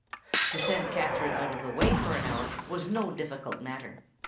To send Katherine out of the way for an hour was no difficult matter.